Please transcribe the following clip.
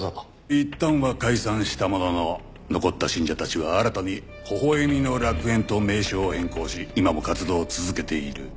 いったんは解散したものの残った信者たちは新たに微笑みの楽園と名称を変更し今も活動を続けている。